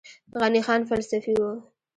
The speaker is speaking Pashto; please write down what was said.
غني خان فلسفي و